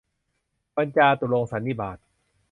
วันจาตุรงคสันนิบาต